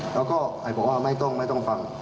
แล้วก็บอกว่าไม่ต้องไม่ต้องฟัง